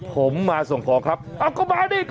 ผมมาส่งของครับก็มาดิ